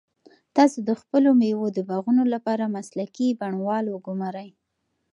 تاسو د خپلو مېوو د باغونو لپاره مسلکي بڼوال وګمارئ.